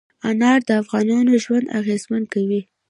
انار د افغانانو ژوند اغېزمن کوي.